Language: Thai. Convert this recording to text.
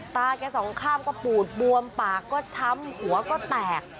ตาแกสองข้างก็ปูดบวมปากก็ช้ำหัวก็แตก